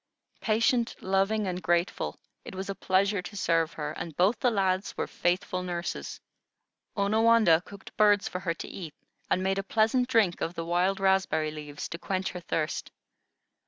Patient, loving, and grateful, it was a pleasure to serve her, and both the lads were faithful nurses. Onawandah cooked birds for her to eat, and made a pleasant drink of the wild raspberry leaves to quench her thirst.